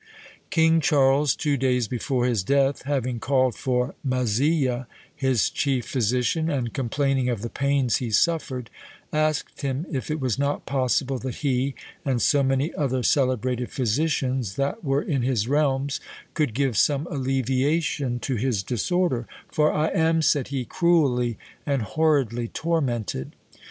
"King Charles, two days before his death, having called for Mazzille, his chief physician, and complaining of the pains he suffered, asked him if it was not possible that he, and so many other celebrated physicians that were in his realms, could give some alleviation to his disorder; 'for I am,' said he, 'cruelly and horridly tormented.'